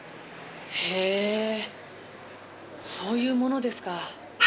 へえそういうものですか。